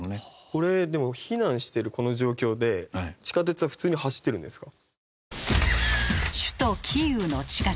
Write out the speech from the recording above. これでも避難してるこの状況で地下鉄は普通に走ってるんですか？